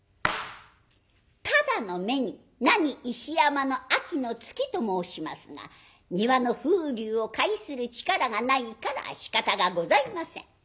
「ただの目になに石山の秋の月」と申しますが庭の風流を解する力がないからしかたがございません。